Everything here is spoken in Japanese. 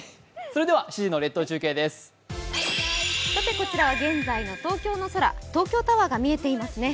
こちらは現在の東京の空、東京タワーが見えていますね。